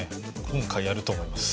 今回、やると思います。